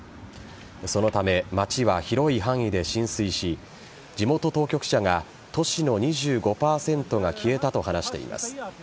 そのため、街は広い範囲で浸水し地元当局者が都市の２５％が消えたと話しています。